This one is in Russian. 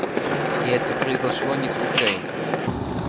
И это произошло не случайно.